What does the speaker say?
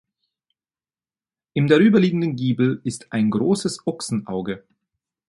Im darüberliegenden Giebel ist ein großes Ochsenauge.